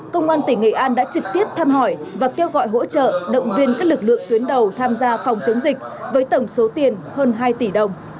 công an tỉnh nghệ an đã trực tiếp thăm hỏi và kêu gọi hỗ trợ động viên các lực lượng tuyến đầu tham gia phòng chống dịch với tổng số tiền hơn hai tỷ đồng